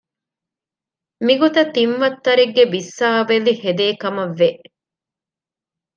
މިގޮތަށް ތިން ވައްތަރެއްގެ ބިއްސާވެލި ހެދޭކަމަށް ވެ